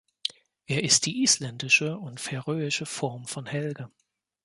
Er ist die isländische und färöische Form von Helge.